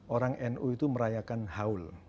orang nu itu merayakan haul